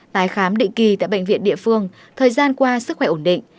tái khám định kỳ tại bệnh viện địa phương thời gian qua sức khỏe ổn định